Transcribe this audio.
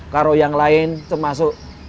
kalau yang lain termasuk